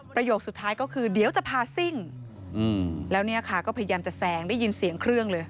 ประโยคสุดท้ายก็คือเดี๋ยวจะพาซิ่งแล้วเนี่ยค่ะก็พยายามจะแซงได้ยินเสียงเครื่องเลย